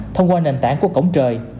thông qua nền tảng của cổng trời